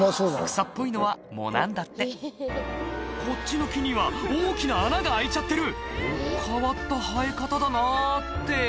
草っぽいのは藻なんだってこっちの木には大きな穴が開いちゃってる変わった生え方だなって